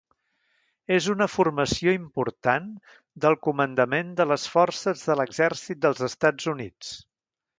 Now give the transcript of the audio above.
Es una formació important del Comandament de les Forces de l'Exèrcit dels Estats Units.